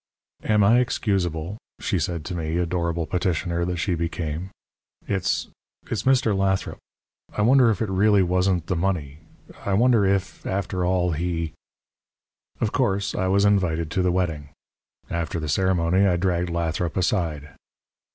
"Am I excusable?" she said to me adorable petitioner that she became. "It's it's Mr. Lathrop. I wonder if it really wasn't the money I wonder, if after all, he " Of course, I was invited to the wedding. After the ceremony I dragged Lathrop aside.